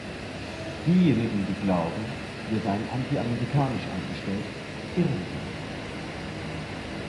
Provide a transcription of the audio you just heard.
Diejenigen, die glauben, wir seien anti-amerikanisch eingestellt, irren sich.